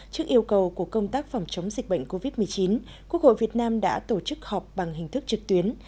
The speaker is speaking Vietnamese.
trước yêu cầu của công tác phòng chống dịch bệnh covid một mươi chín quốc hội việt nam đã tổ chức họp bằng hình thức trực tuyến